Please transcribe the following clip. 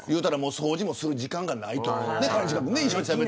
掃除をする時間もないと。